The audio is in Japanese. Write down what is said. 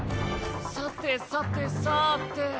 さてさてさて。